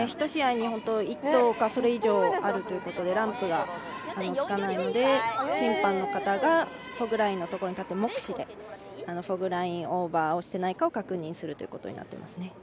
１試合に１投かそれ以上あるということでランプがつかないので審判の方がホッグラインのところに立って目視で、ホッグラインオーバーをしていないかを確認することになっています。